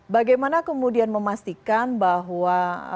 bagaimana kemudian memastikan bahwa